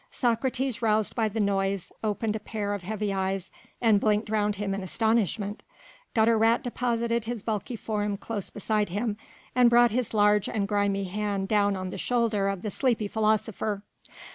Socrates roused by the noise, opened a pair of heavy eyes and blinked round him in astonishment. Gutter rat deposited his bulky form close beside him and brought his large and grimy hand down on the shoulder of the sleepy philosopher.